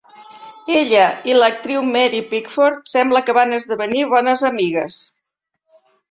Ella i l'actriu Mary Pickford sembla que van esdevenir bones amigues.